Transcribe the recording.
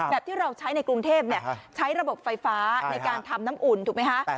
ที่เราใช้ในกรุงเทพใช้ระบบไฟฟ้าในการทำน้ำอุ่นถูกไหมคะ